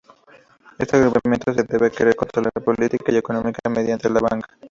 Este agrupamiento se debe a querer controlar la política y economía mediante la banca.